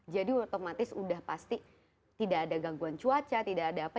jadi otomatis sudah pasti tidak ada gangguan cuaca tidak ada apa